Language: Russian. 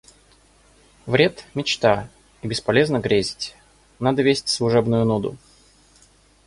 Вред – мечта, и бесполезно грезить, надо весть служебную нуду.